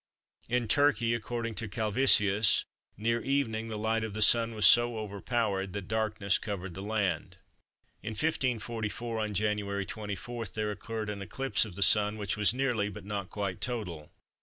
In Turkey, according to Calvisius, "near evening the light of the Sun was so overpowered that darkness covered the land." In 1544, on Jan. 24, there occurred an eclipse of the Sun which was nearly but not quite total.